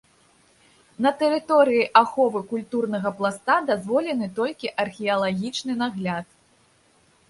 На тэрыторыі аховы культурнага пласта дазволены толькі археалагічны нагляд.